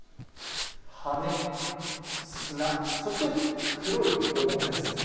羽、砂、そして黒いお盆です。